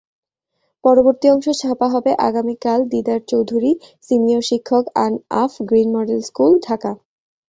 পরবর্তী অংশ ছাপা হবে আগামীকালদীদার চৌধুরী, সিনিয়র শিক্ষকআন-নাফ গ্রিন মডেল স্কুল, ঢাকা।